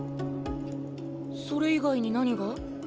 それ以外に何が？